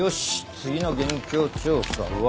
次の現況調査は。